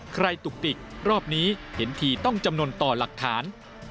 ตุกติกรอบนี้เห็นทีต้องจำนวนต่อหลักฐาน